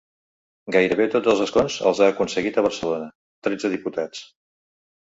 Gairebé tots els escons els ha aconseguit a Barcelona: tretze diputats.